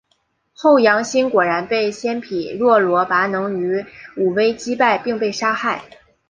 后杨欣果然被鲜卑若罗拔能于武威击败并被杀害。